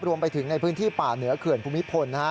รวมไปถึงในพื้นที่ป่าเหนือเขื่อนภูมิพล